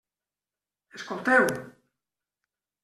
Escolteu.